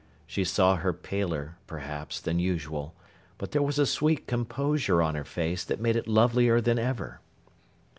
She saw her paler, perhaps, than usual; but there was a sweet composure on her face that made it lovelier than ever.